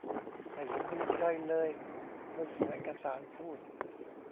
ไม่เห็นมีใครเลย คนส่งเอกสารพูด